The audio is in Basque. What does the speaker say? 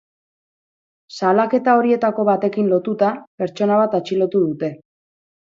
Salaketa horietako batekin lotuta, pertsona bat atxilotu dute.